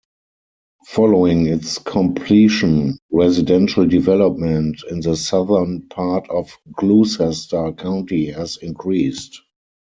Following its completion, residential development in the southern part of Gloucester County has increased.